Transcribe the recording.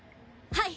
はい！